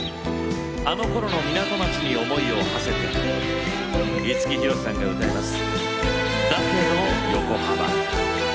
あのころの港町に思いをはせて五木ひろしさんが歌います。